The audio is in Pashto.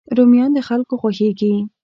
رومیان د خلکو خوښېږي